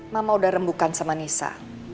mama udah rembukan sama nisa